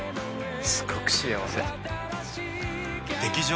すごく幸せ。